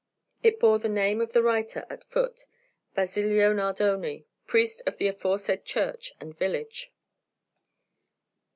It bore the name of the writer at foot, Basilio Nardoni, priest of the aforesaid church and village.